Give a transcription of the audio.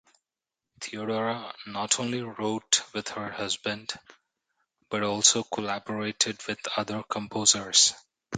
Theodora not only wrote with her husband, but also collaborated with other composers.